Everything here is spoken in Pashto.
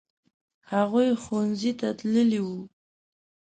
هغوی ښوونځي ته تللي وو.